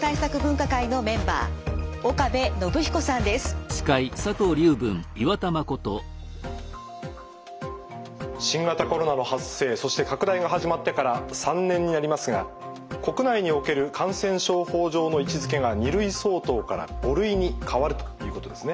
お話しいただくのは新型コロナの発生そして拡大が始まってから３年になりますが国内における感染症法上の位置づけが２類相当から５類に変わるということですね。